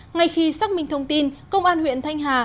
ngay khi xác minh thông tin công an huyện thanh hà